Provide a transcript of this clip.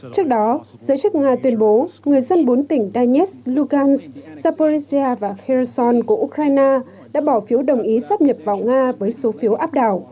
trước đó giới chức nga tuyên bố người dân bốn tỉnh donetsk lugansk zaporizhia và kherson của ukraine đã bỏ phiếu đồng ý xác nhập vào nga